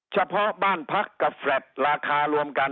เฉพาะบ้านพักกับแฟลต์ราคารวมกัน